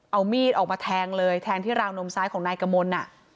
เอามีดออกมาแทงเลยแทงที่ราวนมซ้ายของนายกมล